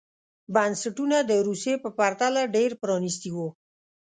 بنسټونه د روسیې په پرتله ډېر پرانېستي وو.